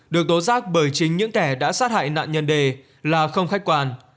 được tố giác bởi chính những kẻ đã sát hại nạn nhân đề là không khách quan